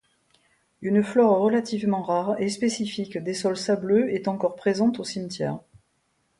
Une flore relativement rare et spécifique des sols sableux est encore présente au cimetière.